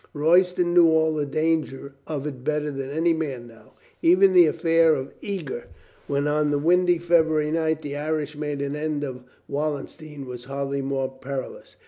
Roy ston knew all the danger of it better than any man now. Even the affair of Eger, when on the windy February night the Irish made an end of Wallen stein, was hardly more perilous.